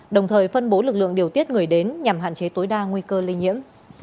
đồng thời phân bố lực lượng điều tiết người đến nhằm hạn chế tối đa nguy cơ lây nhiễm